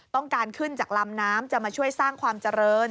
ต้องการขึ้นจากลำน้ำจะมาช่วยสร้างความเจริญ